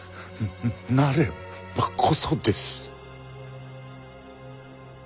なればこそです！